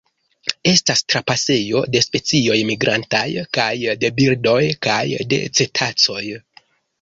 Estas trapasejo de specioj migrantaj kaj de birdoj kaj de cetacoj.